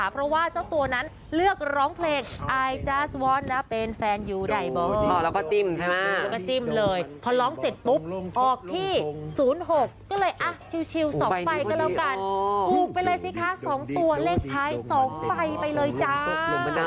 ดู๒ไฟกันแล้วกันพูกไปเลยสิคะ๒ตัวเลขท้าย๒ไฟไปเลยจ้า